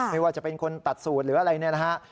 ไม่ว่าจะเป็นคนตัดสูตรหรืออันอื่น